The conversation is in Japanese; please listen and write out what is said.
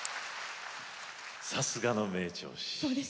さすがの名調子！